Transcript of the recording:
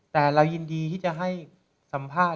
แต่เรายินดีที่จะให้สัมภาษณ์